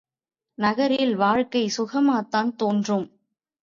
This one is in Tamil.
நகரில் வாழ்க்கை சுகமாகத்தான் தோன்றும்.